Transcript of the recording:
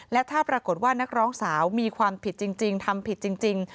และถ้าปรากฏว่านักร้องสาวมีความผิดจริงทำผิดจริง